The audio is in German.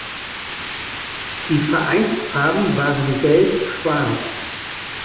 Die Vereinsfarben waren gelb-schwarz.